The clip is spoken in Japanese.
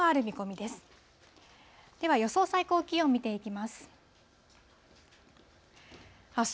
では、予想最高気温見ていきます。